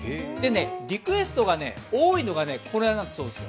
リクエストが多いのがこれなんだそうです。